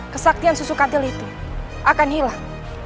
kesaktian susu kantel itu akan hilang